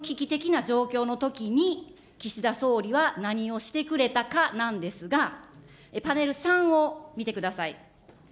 それで、この危機的な状況のときに、岸田総理は何をしてくれたかなんですが、パネル３を見てください。